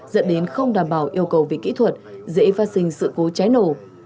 dẫn đến không đảm bảo yêu cầu về kỹ thuật dễ phát sinh sự cố cháy nổ